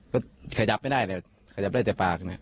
ขยับไม่ได้แล้วขยับได้แต่ปาก